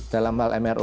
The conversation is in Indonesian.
dalam hal mrf